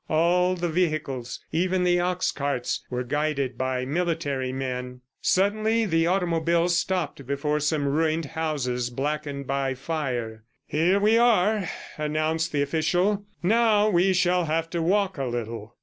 All the vehicles, even the ox carts, were guided by military men. Suddenly the automobile stopped before some ruined houses blackened by fire. "Here we are," announced the official. "Now we shall have to walk a little."